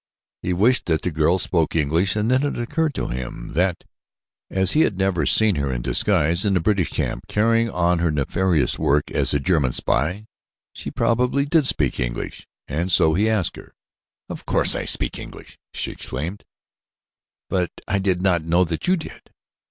He wished that the girl spoke English and then it occurred to him that as he had seen her in disguise in the British camp carrying on her nefarious work as a German spy, she probably did speak English and so he asked her. "Of course I speak English," she exclaimed, "but I did not know that you did."